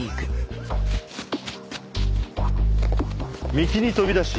道に飛び出し